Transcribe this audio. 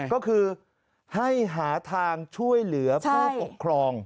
ก็คือให้หาทางช่วยเหลือผู้ปกครอง